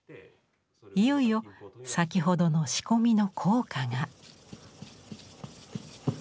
いよいよ先ほどの仕込みの効果が。